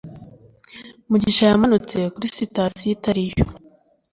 mugisha yamanutse kuri sitasiyo itariyo